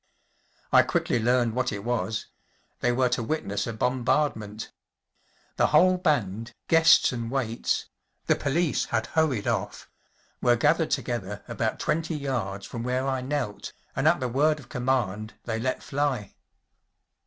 I quickly learned what it was. They were to witness a bombardment The whole band, guests and waits‚ÄĒthe police had hurried off ‚ÄĒwere gathered together about twenty yards from where I knelt, and at the word of command they let fly.